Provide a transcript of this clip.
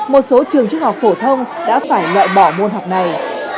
một số trường trung học phổ thông đã phải loại bỏ môn học này